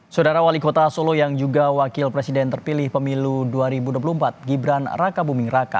saudara wali kota solo yang juga wakil presiden terpilih pemilu dua ribu dua puluh empat gibran raka buming raka